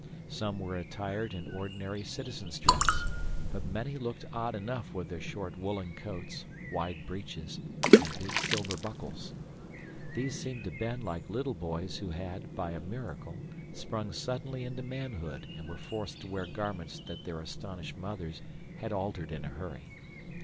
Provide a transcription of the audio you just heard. Some were attired in ordinary citizen's dress, but many looked odd enough with their short woolen coats, wide breeches, and big silver buckles. These seemed to Ben like little boys who had, by a miracle, sprung suddenly into manhood and were forced to wear garments that their astonished mothers had altered in a hurry.